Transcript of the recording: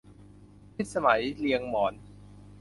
พิสมัยเรียงหมอน